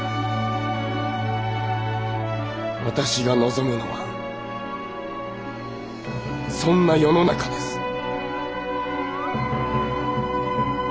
私が望むのはそんな世の中です。